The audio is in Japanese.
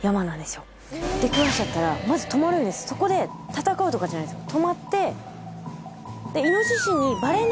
そこで戦うとかじゃないんですよ